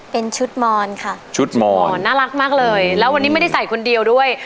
เป็นชุดมอนค่ะชุดมอนอ๋อน่ารักมากเลยแล้ววันนี้ไม่ได้ใส่คนเดียวด้วย